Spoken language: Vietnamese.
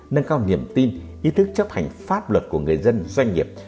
nâng cao niềm tin ý thức chấp hành pháp luật của người dân doanh nghiệp